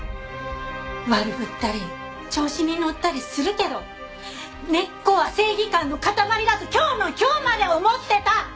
悪ぶったり調子にのったりするけど根っこは正義感の塊だと今日の今日まで思ってた！